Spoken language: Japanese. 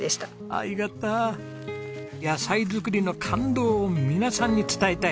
野菜作りの感動を皆さんに伝えたい。